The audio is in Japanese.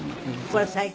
これ最近？